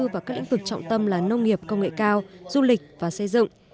vào các lĩnh vực trọng tâm là nông nghiệp công nghệ cao du lịch và xây dựng